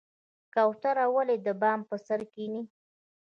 کوتره ولې د بام پر سر کیني؟